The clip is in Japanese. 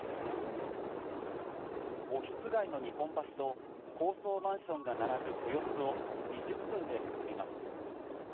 オフィス街の日本橋と高層マンションが並ぶ豊洲を２０分で結びます。